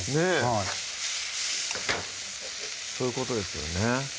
はいそういうことですよね